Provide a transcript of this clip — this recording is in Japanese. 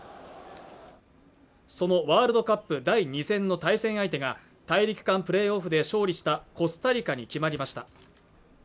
そのワールドカップ第２戦の対戦相手が大陸間プレーオフで勝利したコスタリカに決まりました